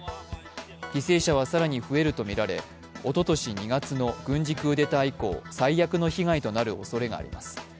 犠牲者は更に増えるとみられおととし２月の軍事クーデター以降、最悪の被害となる恐れがあります。